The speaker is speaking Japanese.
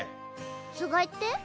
つがいって？